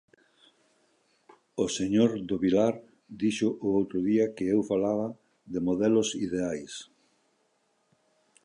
O señor do Vilar dixo o outro día que eu falaba de modelos ideais.